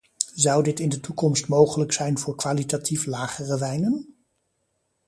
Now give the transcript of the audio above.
Zou dit in de toekomst mogelijk zijn voor kwalitatief lagere wijnen?